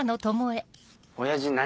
親父何？